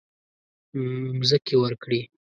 مځکې ورکړې.